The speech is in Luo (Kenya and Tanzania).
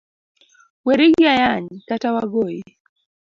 weri gi ayany, kata wagoyi.